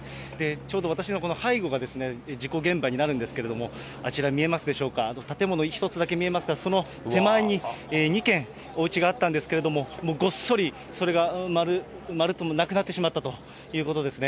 ちょうど私の背後が事故現場になるんですけれども、あちら見えますでしょうか、建物１つだけ見えますが、その手前に２軒、おうちがあったんですけれども、もうごっそり、それがまるっとなくなってしまったということですね。